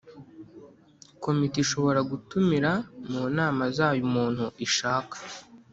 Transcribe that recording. Komite ishobora gutumira mu nama zayo umuntu ishaka